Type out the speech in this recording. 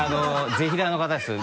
ぜひらーの方ですよ